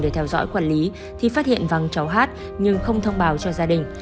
để theo dõi quản lý thì phát hiện vắng cháu hát nhưng không thông báo cho gia đình